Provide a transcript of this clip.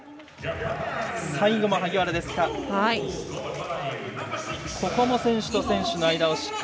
最後も萩原ですか。